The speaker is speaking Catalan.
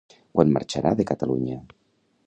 Quan marxarà de Catalunya?